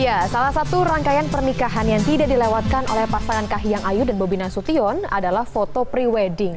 ya salah satu rangkaian pernikahan yang tidak dilewatkan oleh pasangan kahiyang ayu dan bobi nasution adalah foto pre wedding